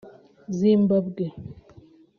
Zimbabwe